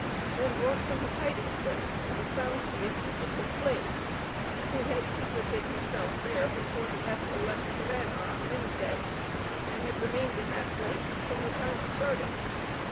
When brought from his hiding place, he was found to be a Fugitive Slave, who had secreted himself there before the vessel left Savannah on Wednesday, and had remained in that place from the time of starting!